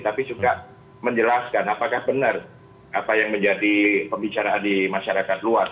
tapi juga menjelaskan apakah benar apa yang menjadi pembicaraan di masyarakat luas